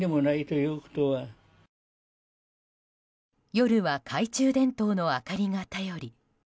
夜は懐中電灯の明かりが頼り。